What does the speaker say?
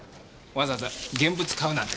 わざわざ現物買うなんてさ。